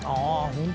本当